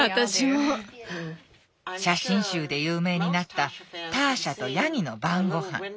写真集で有名になったターシャとヤギの晩ごはん。